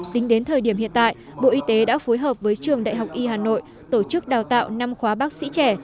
tính đến thời điểm hiện tại bộ y tế đã phối hợp với trường đại học y hà nội tổ chức đào tạo năm khóa bác sĩ trẻ